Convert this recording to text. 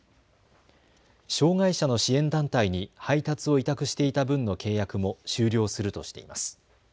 障害者の支援団体に配達を委託していた分の契約も終了するとしています。